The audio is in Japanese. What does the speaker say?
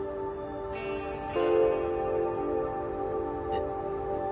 えっ？